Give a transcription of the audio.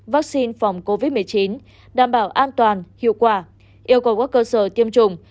vaccine phòng covid một mươi chín đảm bảo an toàn hiệu quả yêu cầu các cơ sở tiêm chủng